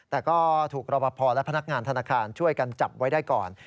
แต่ก็ถูกรบพอและพนักงานธนาคารช่วยกันจับไว้ได้ก่อน